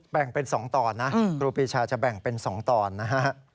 แบ่งเป็น๒ตอนนะครูปีชาจะแบ่งเป็น๒ตอนนะฮะ